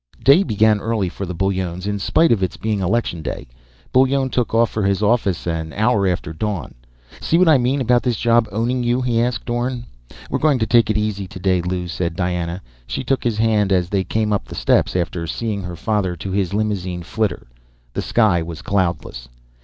"_Day began early for the Bullones. In spite of its being election day, Bullone took off for his office an hour after dawn. "See what I mean about this job owning you?" he asked Orne. "We're going to take it easy today, Lew," said Diana. She took his hand as they came up the steps after seeing her father to his limousine flitter. The sky was cloudless.